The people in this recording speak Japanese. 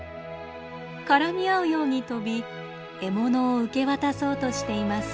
絡み合うように飛び獲物を受け渡そうとしています。